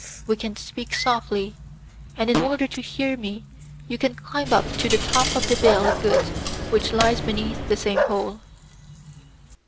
We can speak softly, and in order to hear me you can climb up to the top of the bale of goods which lies beneath the same hole."